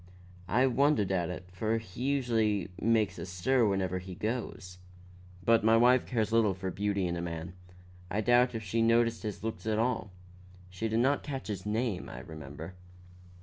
I wondered at it, for he usually makes a stir wherever he goes. But my wife cares little for beauty in a man; I doubt if she noticed his looks at all. She did not catch his name, I remember."